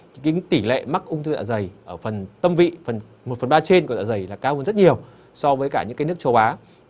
thì cái tỷ lệ mắc ung thư dạ dày ở phần tâm vị phần một phần ba trên của dạ dày là cao hơn rất nhiều so với cả những cái nước châu á